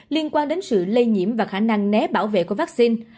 liên quan đến sự lây nhiễm và khả năng né bảo vệ của vaccine